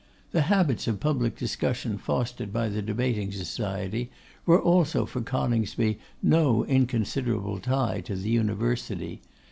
The habits of public discussion fostered by the Debating Society were also for Coningsby no Inconsiderable tie to the University.